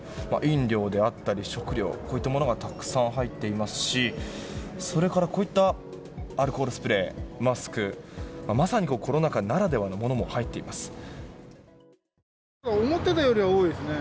飲料であったり食料といったものがたくさん入っていますしそれからこういったアルコールスプレーマスク、まさにコロナ禍ならではのものも入っています。